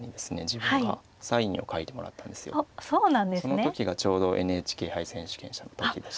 その時がちょうどＮＨＫ杯選手権者の時でしたね。